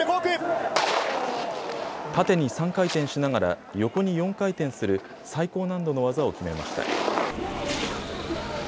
縦に３回転しながら、横に４回転する最高難度の技を決めました。